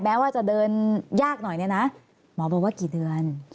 แม้ว่าจะเดินยากหน่อยเนี่ยนะหมอบอกว่ากี่เดือน